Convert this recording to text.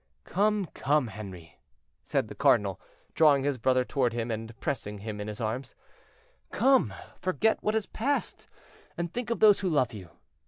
"Come, come, Henri," said the cardinal, drawing his brother toward him, and pressing him in his arms; "come, forget what has passed, and think of those who love you.